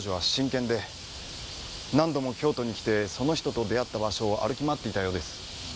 何度も京都に来てその人と出会った場所を歩き回っていたようです。